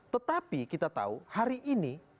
tetapi kita tahu hari ini